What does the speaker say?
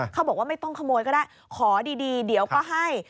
เขาบอกว่าไม่ต้องขโมยก็ได้ขอดีเดี๋ยวก็ให้